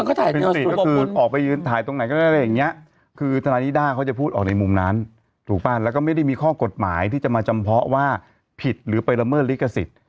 ก็คือออกไปยืนถ่ายตรงไหนก็ได้อะไรอย่างเงี้ยคือทนายนิด้าเขาจะพูดออกในมุมนั้นถูกป่ะแล้วก็ไม่ได้มีข้อกฎหมายที่จะมาจำเพาะว่าผิดหรือไปละเมิดลิขสิทธิ์